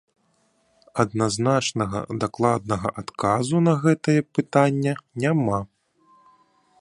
Адназначнага дакладнага адказу на гэтае пытанне няма.